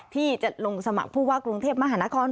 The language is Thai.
ที่จะลงสมัครผู้ว่ากรุงเทพมหานคร